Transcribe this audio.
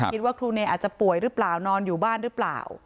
คิดว่าครูเนยอาจจะป่วยหรือเปล่านอนอยู่บ้านหรือเปล่า